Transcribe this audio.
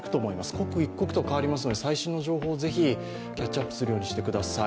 刻一刻と変わりますので、最新の情報をキャッチアップするようにしてください。